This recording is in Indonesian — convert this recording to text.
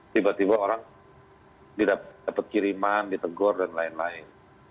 tiba tiba orang dapat kiriman ditegur dan lain lain